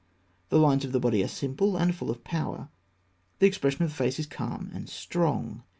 The lines of the body are simple and full of power; the expression of the face is calm and strong.